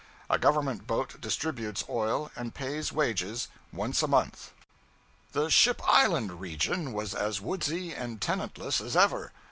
A Government boat distributes oil and pays wages once a month. The Ship Island region was as woodsy and tenantless as ever.